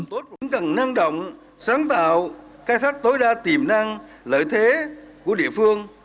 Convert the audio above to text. thủ tướng lưu ý sắp trăng cần năng động sáng tạo phát huy tiềm năng lợi thế của địa phương